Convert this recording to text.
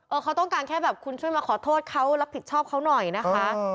เขาต้องการแค่แบบคุณช่วยมาขอโทษเขารับผิดชอบเขาหน่อยนะคะ